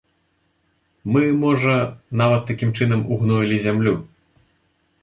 Мы, можа, нават такім чынам ўгноілі зямлю.